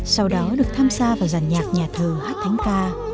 sau đó được tham gia vào giàn nhạc nhà thờ hát thánh ca